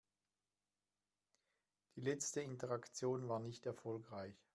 Die letzte Interaktion war nicht erfolgreich.